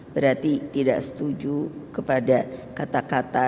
berarti tidak setuju kepada kata kata